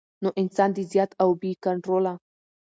نو انسان د زيات او بې کنټروله